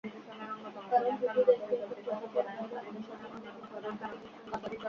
কারণ, দুটি দেশই এখন পোশাকের বাইরে অন্যান্য পণ্যের রপ্তানির দিকে বেশি মনোযোগী।